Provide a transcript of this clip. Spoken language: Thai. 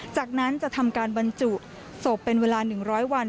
จากนั้นจะทำการบรรจุศพเป็นเวลา๑๐๐วัน